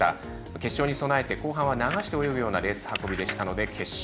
決勝に備えて後半は流して泳ぐようなレース運びでしたので決勝